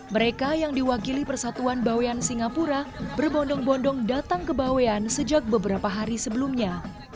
mereka yang diwakili persatuan bawean singapura berbondong bondong datang ke bawean sejak beberapa hari sebelumnya